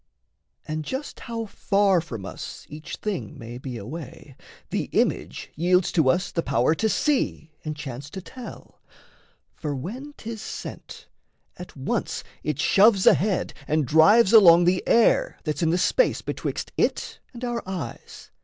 And just how far from us Each thing may be away, the image yields To us the power to see and chance to tell: For when 'tis sent, at once it shoves ahead And drives along the air that's in the space Betwixt it and our eyes.